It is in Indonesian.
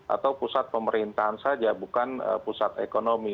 atau pusat pemerintahan saja bukan pusat ekonomi